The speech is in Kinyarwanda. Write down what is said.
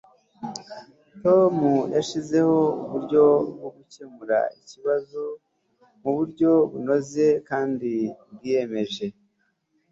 tom yashyizeho uburyo bwo gukemura ikibazo muburyo bunoze kandi bwiyemeje